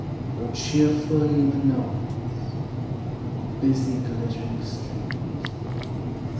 O cheerful human noise, O busy glittering street!